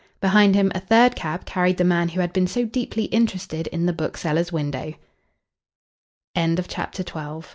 Behind him a third cab carried the man who had been so deeply interested in the bookseller's window. CHAPTER XIII Grave Street, Wh